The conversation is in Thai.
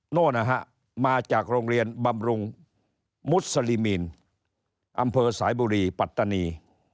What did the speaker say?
โน่นนะฮะมาจากโรงเรียนบำรุงมุสลิมีนอำเภอสายบุรีปัตตานี